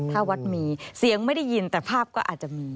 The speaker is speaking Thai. ถ้าวัดมีเสียงไม่ได้ยินแต่ภาพก็อาจจะมี